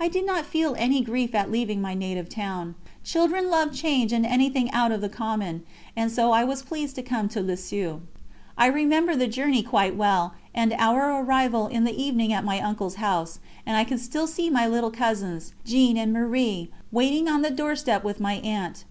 I did not feel any grief at leaving my native town: children love change and anything out of the common, and so I was pleased to come to Lisieux. I remember the journey quite well, and our arrival in the evening at my uncle's house, and I can still see my little cousins, Jeanne and Marie, waiting on the doorstep with my aunt.